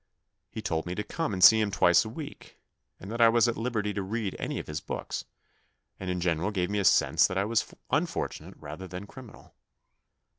He told me to come and see him twice a week, and that I was at liberty to read any of his books, and in general gave me a sense that I was unfortunate rather than criminal.